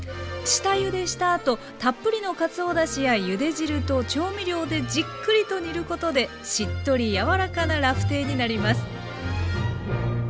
下ゆでしたあとたっぷりのかつおだしやゆで汁と調味料でじっくりと煮ることでしっとり柔らかなラフテーになります。